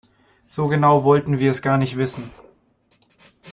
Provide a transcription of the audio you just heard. So genau wollten wir es gar nicht wissen.